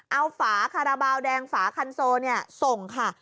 เอาฝาคาราบาลแดงฝาคันโซส่งค่ะ